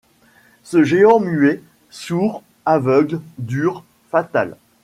Ce géant muet, sourd, aveugle, dur, fatal